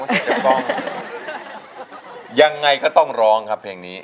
เพราะฉันจะร้องยังไงก็ต้องร้องครับเพลงนี้